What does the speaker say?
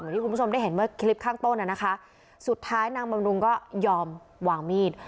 ที่คุณผู้ชมได้เห็นเมื่อคลิปข้างต้นน่ะนะคะสุดท้ายนางบำรุงก็ยอมวางมีด